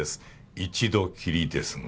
一度きりですが。